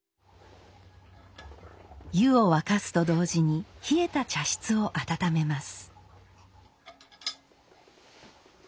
湯を沸かすと同時に冷えた茶室を温めます。